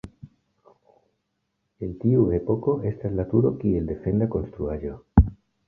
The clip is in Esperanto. El tiu epoko estas la turo kiel defenda konstruaĵo.